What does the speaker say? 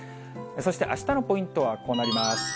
そしてあしたのポイントはこうなります。